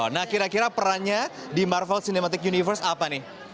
nah kira kira perannya di marvel cinematic universe apa nih